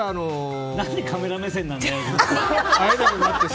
何でカメラ目線なんだよ！